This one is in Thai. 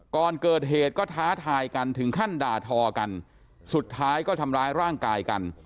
ก่อนเกิดเหตุก็ท้าทายกันถึงขั้นด่าทอกันสุดท้ายก็ทำร้ายร่างกายกัน